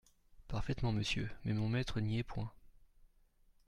Parfaitement, monsieur, mais mon maître n’y est point.